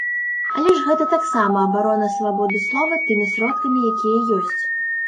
Але ж гэта таксама абарона свабоды слова тымі сродкамі, якія ёсць.